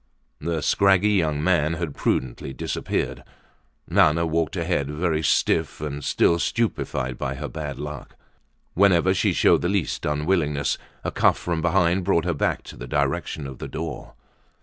The scraggy young man had prudently disappeared. Nana walked ahead, very stiff and still stupefied by her bad luck. Whenever she showed the lest unwillingness, a cuff from behind brought her back to the direction of the door.